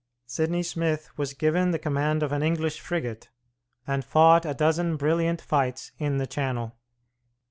Sidney Smith was given the command of an English frigate, and fought a dozen brilliant fights in the Channel.